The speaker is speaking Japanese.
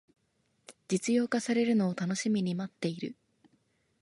実用化されるのを楽しみに待ってる